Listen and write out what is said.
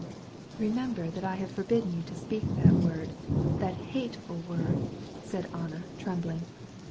"Remember that I have forbidden you to utter that word, that hateful word," said Anna, with a shudder.